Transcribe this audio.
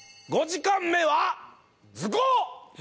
５時間目は図工！